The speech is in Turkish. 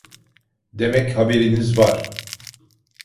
Demek haberiniz var!